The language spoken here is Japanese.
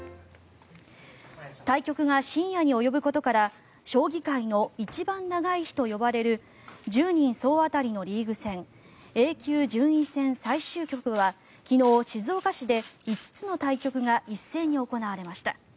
対局が深夜に及ぶことから将棋界の一番長い日とも呼ばれる１０人総当たりのリーグ戦Ａ級順位戦最終局は昨日、静岡市で５つの対局が一斉に行われました。